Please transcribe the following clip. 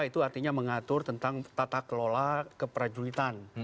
itu artinya mengatur tentang tata kelola keperajuitan